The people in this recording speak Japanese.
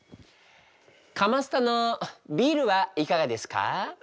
鎌スタのビールはいかがですか？